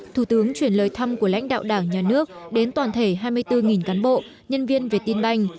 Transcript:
thủ tướng chuyển lời thăm của lãnh đạo đảng nhà nước đến toàn thể hai mươi bốn cán bộ nhân viên việt tin banh